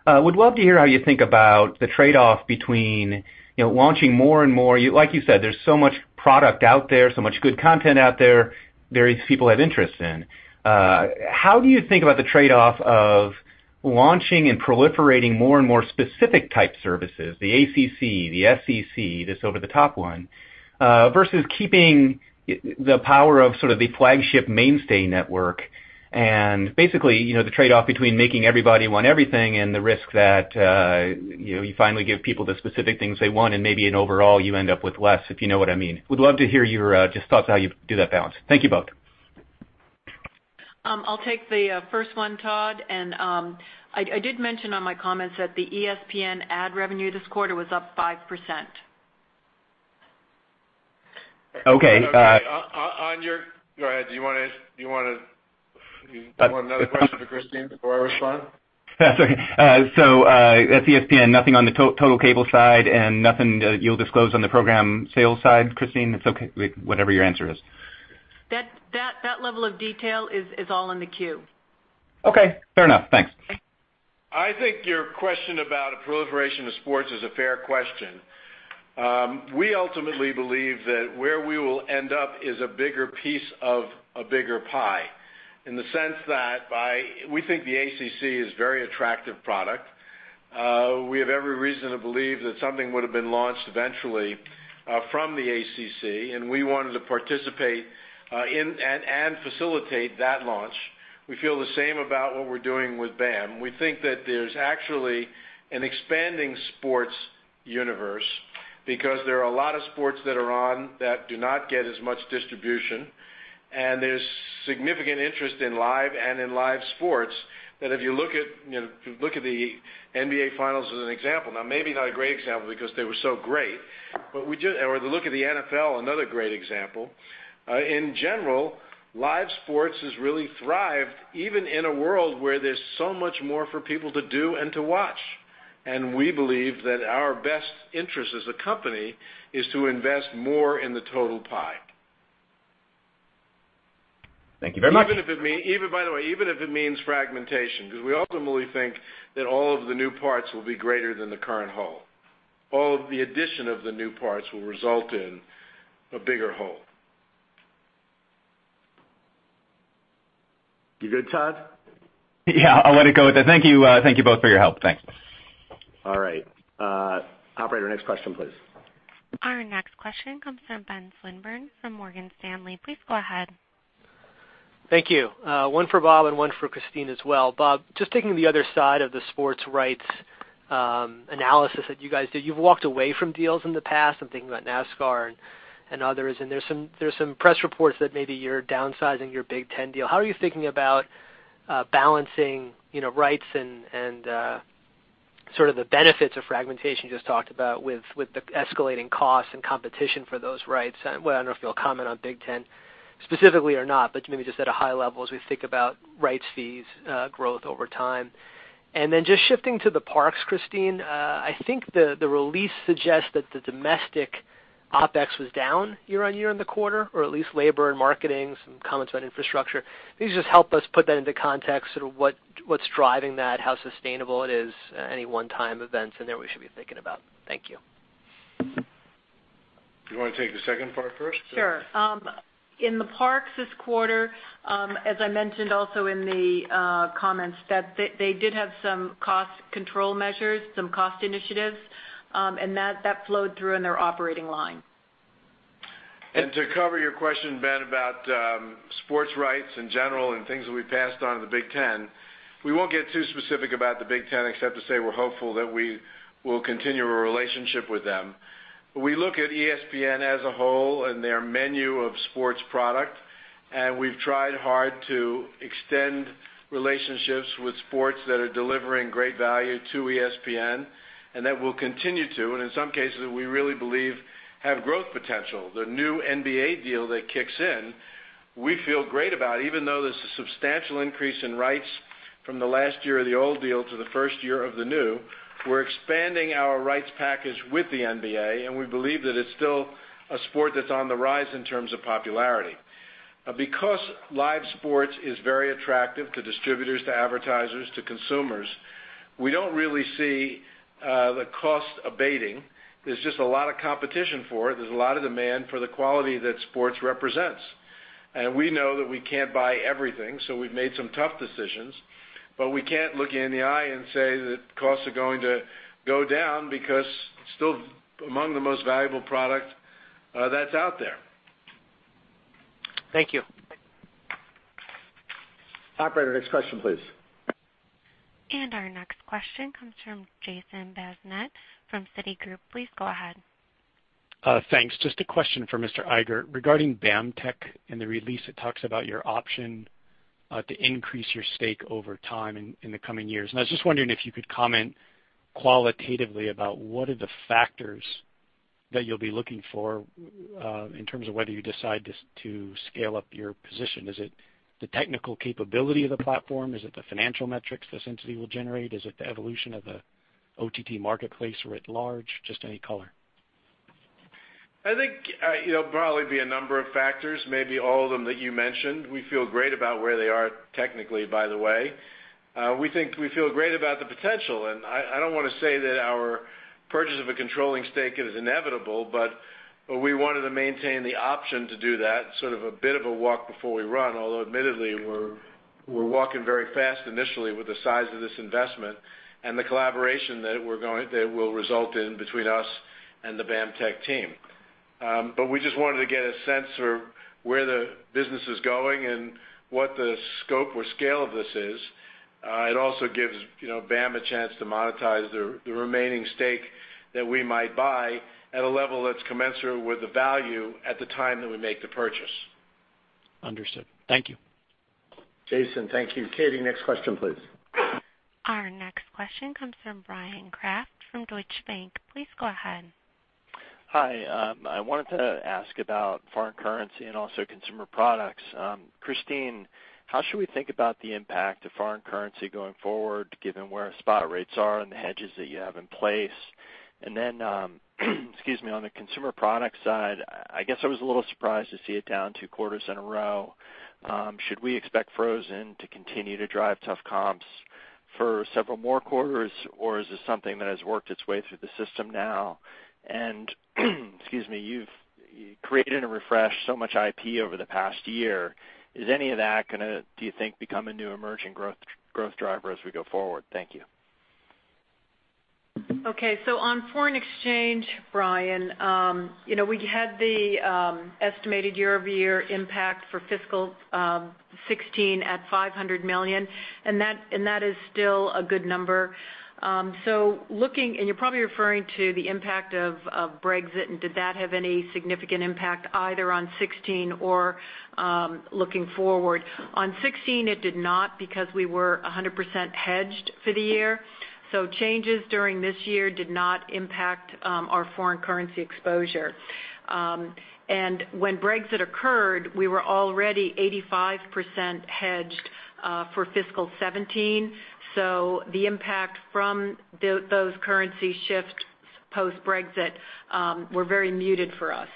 would love to hear how you think about the trade-off between launching more and more, like you said, there's so much product out there, so much good content out there, various people have interest in. How do you think about the trade-off of launching and proliferating more and more specific type services, the ACC, the SEC, this over-the-top one, versus keeping the power of sort of the flagship mainstay network and basically, the trade-off between making everybody want everything and the risk that you finally give people the specific things they want and maybe in overall you end up with less, if you know what I mean. Would love to hear your just thoughts how you do that balance. Thank you both. I'll take the first one, Todd, I did mention on my comments that the ESPN ad revenue this quarter was up 5%. Okay. Go ahead. Do you want another question for Christine before I respond? That's okay. At ESPN, nothing on the total cable side and nothing that you'll disclose on the program sales side, Christine? It's okay, whatever your answer is. That level of detail is all in the Q. Okay. Fair enough. Thanks. I think your question about a proliferation of sports is a fair question. We ultimately believe that where we will end up is a bigger piece of a bigger pie in the sense that we think the ACC is very attractive product. We have every reason to believe that something would've been launched eventually from the ACC, and we wanted to participate in and facilitate that launch. We feel the same about what we're doing with BAM. We think that there's actually an expanding sports universe because there are a lot of sports that are on that do not get as much distribution, and there's significant interest in live sports that if you look at the NBA Finals as an example, now maybe not a great example because they were so great, or look at the NFL, another great example. In general, live sports has really thrived even in a world where there's so much more for people to do and to watch. We believe that our best interest as a company is to invest more in the total pie. Thank you very much. By the way, even if it means fragmentation, because we ultimately think that all of the new parts will be greater than the current whole. All of the addition of the new parts will result in a bigger whole. You good, Todd? Yeah, I'll let it go with it. Thank you both for your help. Thanks. All right. Operator, next question, please. Our next question comes from Ben Swinburne from Morgan Stanley. Please go ahead. Thank you. One for Bob and one for Christine as well. Bob, just taking the other side of the sports rights analysis that you guys did. You've walked away from deals in the past, I'm thinking about NASCAR and others, and there's some press reports that maybe you're downsizing your Big Ten deal. How are you thinking about balancing rights and sort of the benefits of fragmentation you just talked about with the escalating costs and competition for those rights? Well, I don't know if you'll comment on Big Ten specifically or not, but maybe just at a high level as we think about rights fees growth over time. Just shifting to the parks, Christine, I think the release suggests that the domestic OpEx was down year-on-year in the quarter, or at least labor and marketing. Some comments about infrastructure. Can you just help us put that into context, sort of what's driving that, how sustainable it is, any one-time events in there we should be thinking about? Thank you. Do you want to take the second part first? Sure. In the parks this quarter, as I mentioned also in the comments, that they did have some cost control measures, some cost initiatives, and that flowed through in their operating line. To cover your question, Ben, about sports rights in general and things that we passed on to the Big Ten. We won't get too specific about the Big Ten except to say we're hopeful that we will continue our relationship with them. We look at ESPN as a whole and their menu of sports product, and we've tried hard to extend relationships with sports that are delivering great value to ESPN and that will continue to, and in some cases, we really believe have growth potential. The new NBA deal that kicks in, we feel great about, even though there's a substantial increase in rights from the last year of the old deal to the first year of the new. We're expanding our rights package with the NBA, and we believe that it's still a sport that's on the rise in terms of popularity. Because live sports is very attractive to distributors, to advertisers, to consumers, we don't really see the cost abating. There's just a lot of competition for it. There's a lot of demand for the quality that sports represents. We know that we can't buy everything, so we've made some tough decisions, but we can't look you in the eye and say that costs are going to go down because it's still among the most valuable product that's out there. Thank you. Operator, next question, please. Our next question comes from Jason Bazinet from Citigroup. Please go ahead. Thanks. Just a question for Mr. Iger regarding BAMTech. In the release, it talks about your option to increase your stake over time in the coming years. I was just wondering if you could comment qualitatively about what are the factors that you'll be looking for in terms of whether you decide to scale up your position. Is it the technical capability of the platform? Is it the financial metrics this entity will generate? Is it the evolution of the OTT marketplace or writ large? Just any color. I think it'll probably be a number of factors, maybe all of them that you mentioned. We feel great about where they are technically, by the way. We feel great about the potential. I don't want to say that our purchase of a controlling stake is inevitable, but we wanted to maintain the option to do that, sort of a bit of a walk before we run. Although admittedly, we're walking very fast initially with the size of this investment and the collaboration that will result in between us and the BAMTech team. We just wanted to get a sense for where the business is going and what the scope or scale of this is. It also gives BAM a chance to monetize the remaining stake that we might buy at a level that's commensurate with the value at the time that we make the purchase. Understood. Thank you. Jason, thank you. Katie, next question, please. Our next question comes from Bryan Kraft from Deutsche Bank. Please go ahead. Hi. I wanted to ask about foreign currency and also consumer products. Christine, how should we think about the impact of foreign currency going forward, given where our spot rates are and the hedges that you have in place? Then, excuse me, on the consumer product side, I guess I was a little surprised to see it down two quarters in a row. Should we expect Frozen to continue to drive tough comps for several more quarters, or is this something that has worked its way through the system now? Excuse me, you've created and refreshed so much IP over the past year. Is any of that going to, do you think, become a new emerging growth driver as we go forward? Thank you. Okay. On foreign exchange, Bryan, we had the estimated year-over-year impact for fiscal 2016 at $500 million. That is still a good number. You're probably referring to the impact of Brexit. Did that have any significant impact either on 2016 or looking forward. On 2016, it did not because we were 100% hedged for the year. Changes during this year did not impact our foreign currency exposure. When Brexit occurred, we were already 85% hedged for fiscal 2017. The impact from those currency shifts post-Brexit were very muted for us.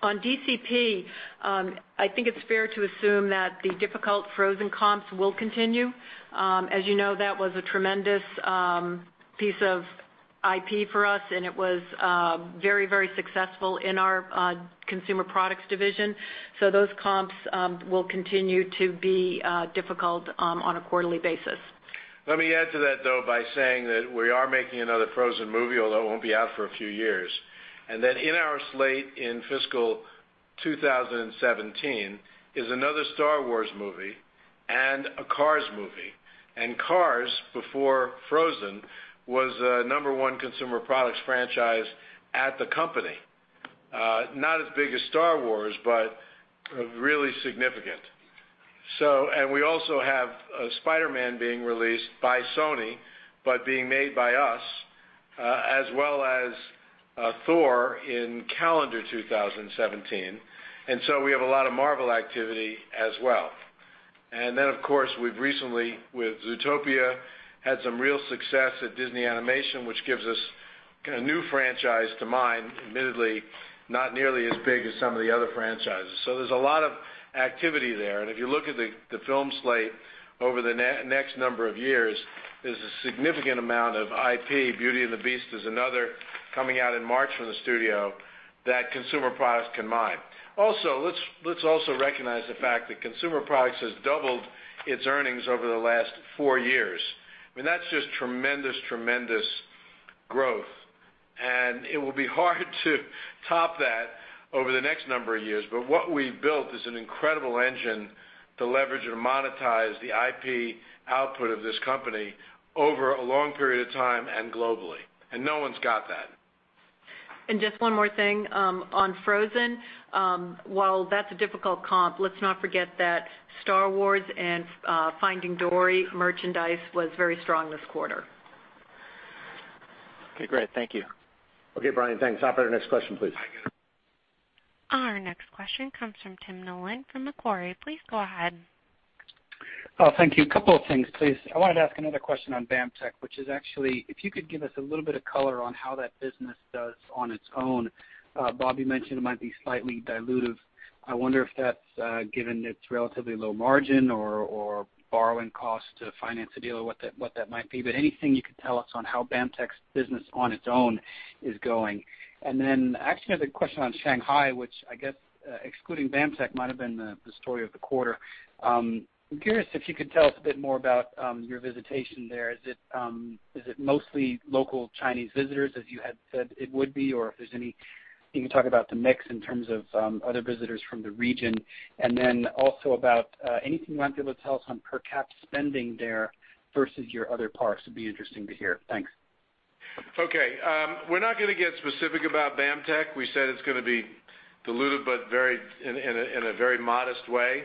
On DCP, I think it's fair to assume that the difficult Frozen comps will continue. As you know, that was a tremendous piece of IP for us. It was very successful in our consumer products division. Those comps will continue to be difficult on a quarterly basis. Let me add to that, though, by saying that we are making another Frozen movie, although it won't be out for a few years. In our slate in fiscal 2017 is another Star Wars movie and a Cars movie. Cars, before Frozen, was the number one consumer products franchise at the company. Not as big as Star Wars, but really significant. We also have Spider-Man being released by Sony, but being made by us, as well as Thor in calendar 2017. We have a lot of Marvel activity as well. Of course, we've recently, with Zootopia, had some real success at Disney Animation, which gives us a new franchise to mine, admittedly, not nearly as big as some of the other franchises. There's a lot of activity there. If you look at the film slate over the next number of years, there's a significant amount of IP. Beauty and the Beast is another coming out in March from the studio that consumer products can mine. Let's also recognize the fact that consumer products has doubled its earnings over the last four years. That's just tremendous growth. It will be hard to top that over the next number of years. What we've built is an incredible engine to leverage and monetize the IP output of this company over a long period of time and globally. No one's got that. Just one more thing on Frozen. While that's a difficult comp, let's not forget that Star Wars and Finding Dory merchandise was very strong this quarter. Okay, great. Thank you. Okay, Bryan, thanks. Operator, next question, please. Our next question comes from Tim Nollen from Macquarie. Please go ahead. Oh, thank you. Couple of things, please. I wanted to ask another question on BAMTech, which is actually if you could give us a little bit of color on how that business does on its own. Bob, you mentioned it might be slightly dilutive. I wonder if that's given its relatively low margin or borrowing cost to finance a deal or what that might be. Anything you could tell us on how BAMTech's business on its own is going. I actually have a question on Shanghai, which I guess excluding BAMTech might have been the story of the quarter. I'm curious if you could tell us a bit more about your visitation there. Is it mostly local Chinese visitors as you had said it would be, or if there's any, you can talk about the mix in terms of other visitors from the region and then also about anything you might be able to tell us on per capita spending there versus your other parks would be interesting to hear. Thanks. Okay. We're not going to get specific about BAMTech. We said it's going to be dilutive, but in a very modest way,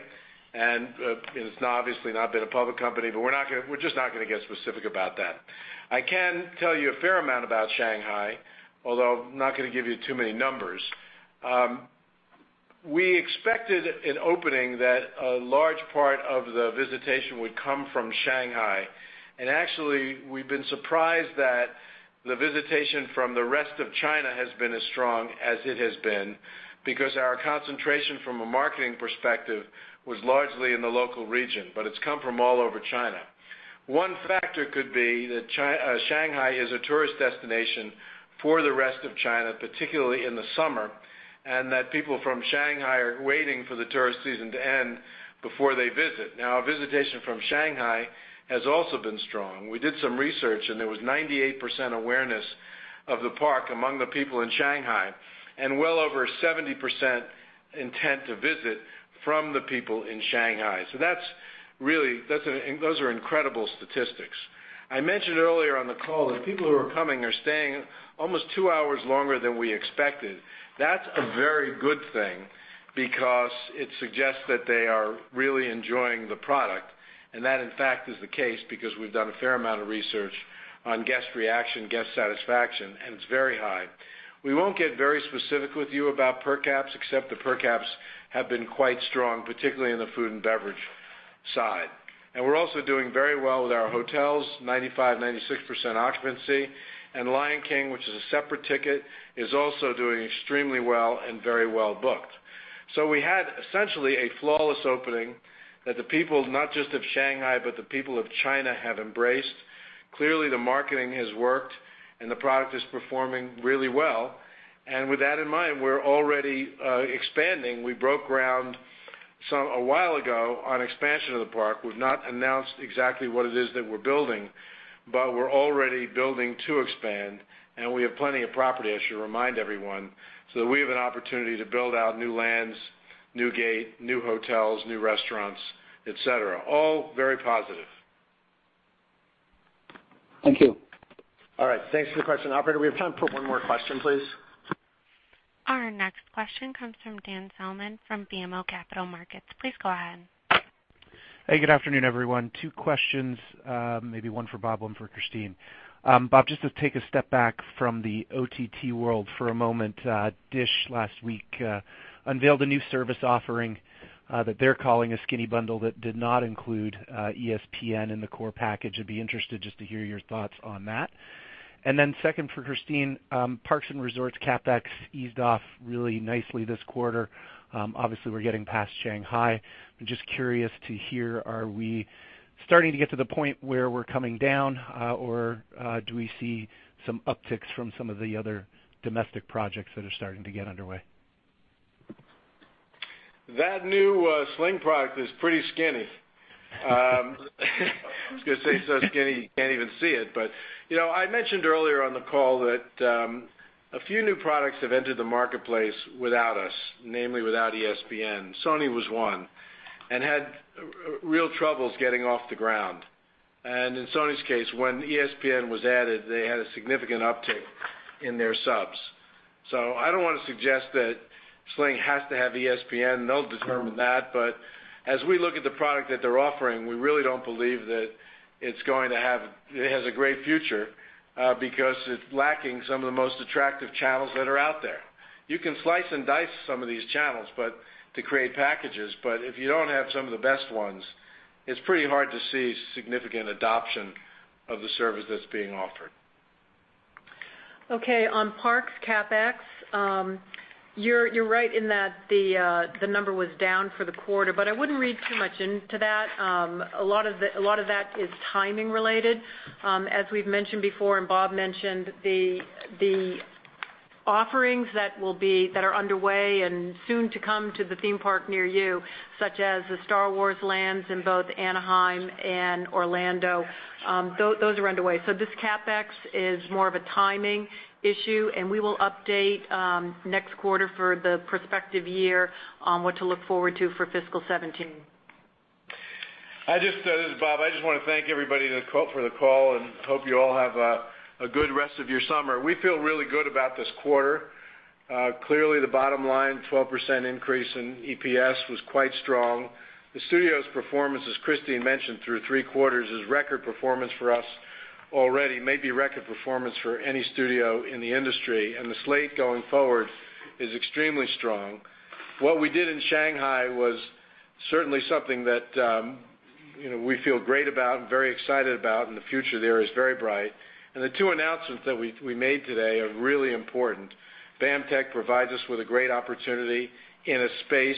and it's obviously not been a public company, but we're just not going to get specific about that. I can tell you a fair amount about Shanghai, although I'm not going to give you too many numbers. We expected in opening that a large part of the visitation would come from Shanghai, and actually we've been surprised that the visitation from the rest of China has been as strong as it has been because our concentration from a marketing perspective was largely in the local region, but it's come from all over China. One factor could be that Shanghai is a tourist destination for the rest of China, particularly in the summer, and that people from Shanghai are waiting for the tourist season to end before they visit. Visitation from Shanghai has also been strong. We did some research and there was 98% awareness of the park among the people in Shanghai and well over 70% intent to visit from the people in Shanghai. Those are incredible statistics. I mentioned earlier on the call that people who are coming are staying almost two hours longer than we expected. That's a very good thing because it suggests that they are really enjoying the product, and that, in fact, is the case because we've done a fair amount of research on guest reaction, guest satisfaction, and it's very high. We won't get very specific with you about per caps except the per caps have been quite strong, particularly in the food and beverage side. We're also doing very well with our hotels, 95%-96% occupancy. The Lion King, which is a separate ticket, is also doing extremely well and very well booked. We had essentially a flawless opening that the people, not just of Shanghai, but the people of China have embraced. Clearly, the marketing has worked and the product is performing really well. With that in mind, we're already expanding. We broke ground a while ago on expansion of the park. We've not announced exactly what it is that we're building, but we're already building to expand and we have plenty of property, I should remind everyone, so that we have an opportunity to build out new lands, new gate, new hotels, new restaurants, et cetera. All very positive. Thank you. All right. Thanks for the question. Operator, we have time for one more question, please. Our next question comes from Dan Salmon from BMO Capital Markets. Please go ahead. Hey, good afternoon, everyone. Two questions, maybe one for Bob, one for Christine. Bob, just to take a step back from the OTT world for a moment, Dish last week unveiled a new service offering that they're calling a skinny bundle that did not include ESPN in the core package. I'd be interested just to hear your thoughts on that. Second for Christine, parks and resorts CapEx eased off really nicely this quarter. Obviously, we're getting past Shanghai. I'm just curious to hear, are we starting to get to the point where we're coming down, or do we see some upticks from some of the other domestic projects that are starting to get underway? That new Sling product is pretty skinny. I was going to say so skinny you can't even see it. I mentioned earlier on the call that a few new products have entered the marketplace without us, namely without ESPN. Sony was one and had real troubles getting off the ground. In Sony's case, when ESPN was added, they had a significant uptick in their subs. I don't want to suggest that Sling has to have ESPN. They'll determine that. As we look at the product that they're offering, we really don't believe that it has a great future because it's lacking some of the most attractive channels that are out there. You can slice and dice some of these channels to create packages, but if you don't have some of the best ones, it's pretty hard to see significant adoption of the service that's being offered. Okay, on Parks CapEx, you're right in that the number was down for the quarter, I wouldn't read too much into that. A lot of that is timing related. As we've mentioned before, Bob mentioned, the offerings that are underway and soon to come to the theme park near you, such as the Star Wars lands in both Anaheim and Orlando, those are underway. This CapEx is more of a timing issue, and we will update next quarter for the prospective year on what to look forward to for fiscal 2017. This is Bob. I just want to thank everybody for the call and hope you all have a good rest of your summer. We feel really good about this quarter. Clearly, the bottom line, 12% increase in EPS was quite strong. The studio's performance, as Christine mentioned, through three quarters is record performance for us already, may be record performance for any studio in the industry, and the slate going forward is extremely strong. What we did in Shanghai was certainly something that we feel great about and very excited about, and the future there is very bright. The two announcements that we made today are really important. BAMTech provides us with a great opportunity in a space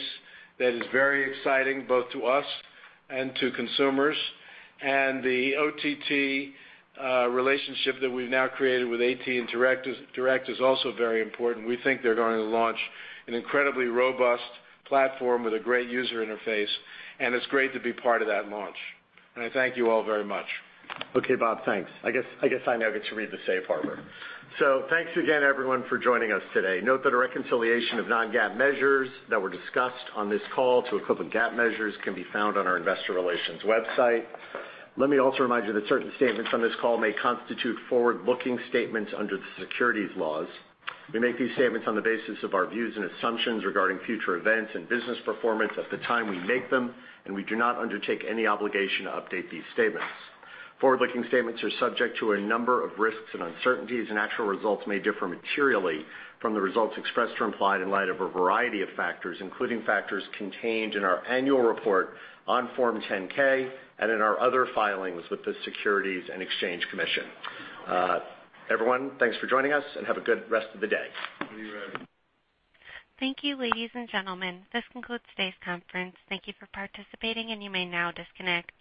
that is very exciting, both to us and to consumers. The OTT relationship that we've now created with AT&T and DIRECTV is also very important. We think they're going to launch an incredibly robust platform with a great user interface, and it's great to be part of that launch. I thank you all very much. Okay, Bob. Thanks. I guess I now get to read the safe harbor. Thanks again, everyone, for joining us today. Note that a reconciliation of non-GAAP measures that were discussed on this call to equivalent GAAP measures can be found on our investor relations website. Let me also remind you that certain statements on this call may constitute forward-looking statements under the securities laws. We make these statements on the basis of our views and assumptions regarding future events and business performance at the time we make them, and we do not undertake any obligation to update these statements. Forward-looking statements are subject to a number of risks and uncertainties. Actual results may differ materially from the results expressed or implied in light of a variety of factors, including factors contained in our annual report on Form 10-K and in our other filings with the Securities and Exchange Commission. Everyone, thanks for joining us and have a good rest of the day. See you, Aaron. Thank you, ladies and gentlemen. This concludes today's conference. Thank you for participating. You may now disconnect.